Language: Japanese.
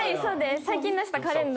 最近出したカレンダーです。